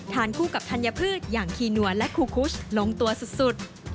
คู่กับธัญพืชอย่างคีนัวและคูคุชลงตัวสุด